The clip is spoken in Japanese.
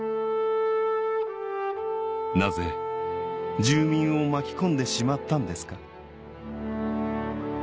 なぜ住民を巻き込んでしまったんですか？